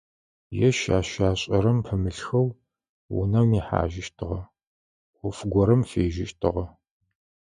Ежь ащ ашӀэрэм пымылъэу, унэм ихьажьыщтыгъэ, Ӏоф горэм фежьэщтыгъэ.